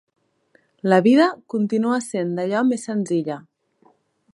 La vida continua sent d'allò més senzilla.